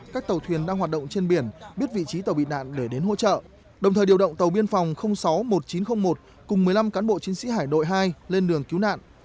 các tàu thuyền đang hoạt động trên biển biết vị trí tàu bị nạn để đến hỗ trợ đồng thời điều động tàu biên phòng sáu một nghìn chín trăm linh một cùng một mươi năm cán bộ chiến sĩ hải đội hai lên đường cứu nạn